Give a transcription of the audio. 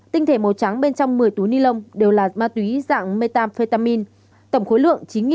tinh thể màu trắng bên trong một mươi túi ni lông đều là ma túy dạng metamphetamine tổng khối lượng chín ba trăm tám mươi năm một mươi bốn g